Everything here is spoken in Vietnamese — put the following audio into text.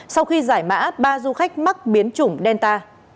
sau khi giải mã ba du khách mắc biến chủng delta